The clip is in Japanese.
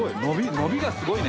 伸びがすごいね。